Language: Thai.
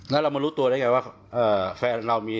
แล้วเรามารู้ตัวได้ไงว่าแฟนเรามี